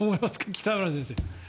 北村先生。